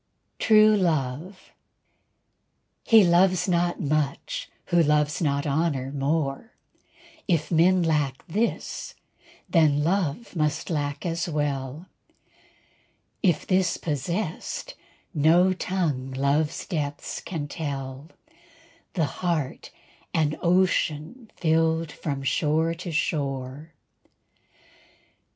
_" TRUE LOVE He loves not much who loves not honor more; If men lack this then love must lack as well; If this possessed no tongue love's depths can tell; The heart an ocean filled from shore to shore.